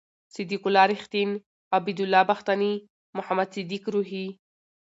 صد یق الله رېښتین، عبد الله بختاني، محمد صدیق روهي